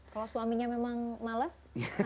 kalau suaminya memang males